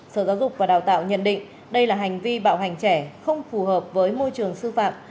sở giáo dục và đào tạo nhận định đây là hành vi bạo hành trẻ không phù hợp với môi trường sư phạm